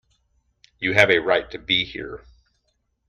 You have a right to be here.